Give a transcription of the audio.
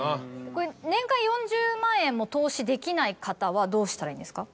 これ年間４０万円も投資できない方はどうしたらいいんですか？